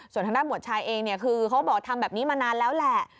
ส่วนทางด้านหมวดชายเองเนี่ยคือเขาบอกทำแบบนี้มานานแล้วแหละ